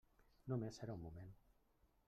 Només serà un moment.